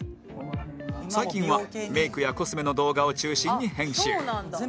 最近はメイクやコスメの動画を中心に編集